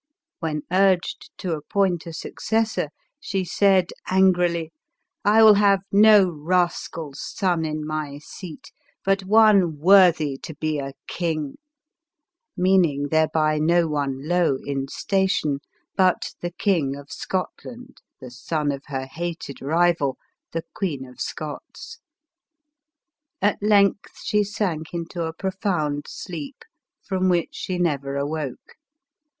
When urged to appoint a successor, she said angrily, " I will have Deal's son in my seat, but one worthy to be a king" — meaning thereby no one low in station, but the King of S . otlaud, the son of her hated rival, the i of Scots. At length she sank into a profound iVom which she never awoke.